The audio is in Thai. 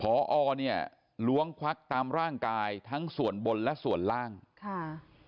พอเนี่ยล้วงควักตามร่างกายทั้งส่วนบนและส่วนล่างค่ะ